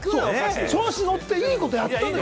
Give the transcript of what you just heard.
調子に乗っていいことをやったのよ。